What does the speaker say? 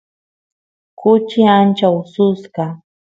kuchi ancha ususqa